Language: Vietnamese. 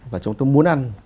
và chúng ta muốn ăn